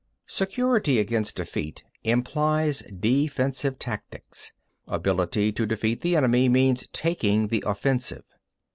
5. Security against defeat implies defensive tactics; ability to defeat the enemy means taking the offensive.